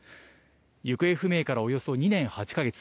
行方不明からおよそ２年８か月。